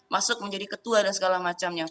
masuk menjadi ketua dan segala macamnya